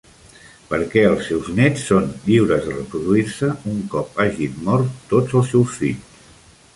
Perquè els seus nets són lliures de reproduir-se un cop hagin mort tots els seus fills.